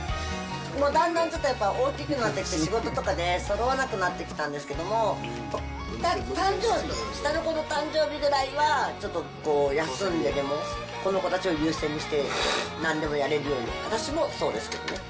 もうだんだんちょっとやっぱ大きくなってきて、仕事とかでそろわなくなってきたんですけれども、誕生日、下の子の誕生日ぐらいはちょっと休んででもこの子たちを優先にして、なんでもやれるように、私もそうですけどね。